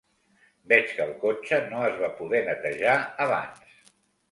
Veig que el cotxe no es va poder netejar abans.